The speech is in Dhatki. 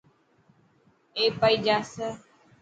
اي پئي جاسي.